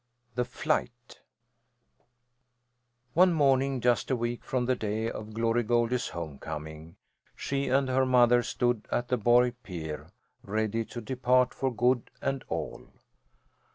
THE FLIGHT One morning, just a week from the day of Glory Goldie's homecoming, she and her mother stood at the Borg pier, ready to depart for good and all.